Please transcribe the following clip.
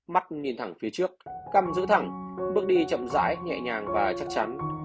mắt nhìn thẳng phía trước căng giữ thẳng bước đi chậm rãi nhẹ nhàng và chắc chắn